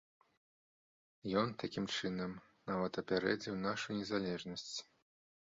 Ён, такім чынам, нават апярэдзіў нашу незалежнасць.